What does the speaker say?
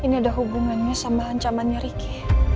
ini ada hubungannya sama ancamannya ricky